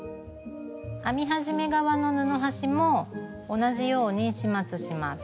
編み始め側の布端も同じように始末します。